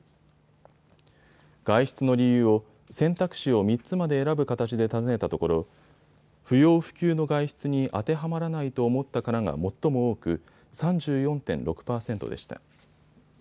外出の理由を選択肢を３つまで選ぶ形で尋ねたところ不要不急の外出に当てはまらないと思ったからが最も多く３４．６％でした。